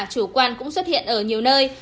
chủ quan cũng xuất hiện ở nhiều nơi